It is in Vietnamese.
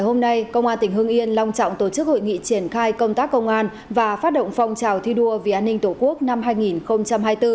hôm nay công an tỉnh hương yên long trọng tổ chức hội nghị triển khai công tác công an và phát động phong trào thi đua vì an ninh tổ quốc năm hai nghìn hai mươi bốn